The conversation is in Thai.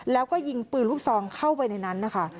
แล้วก็ยิงปืนลูกซองเข้าไปในนั้นนะคะ